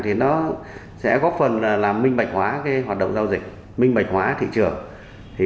thì nó sẽ góp phần làm minh bạch hóa hoạt động giao dịch minh bạch hóa thị trường